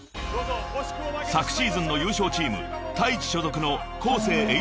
［昨シーズンの優勝チームＴａｉｃｈｉ所属のＫＯＳＥ８